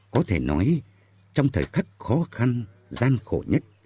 có thể nói trong thời khắc khó khăn gian khổ nhất